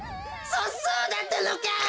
そそうだったのか！